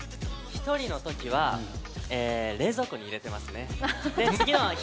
一人のときは冷蔵庫に入れてますね。